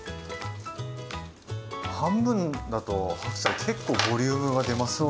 半分だと白菜結構ボリュームが出ますね。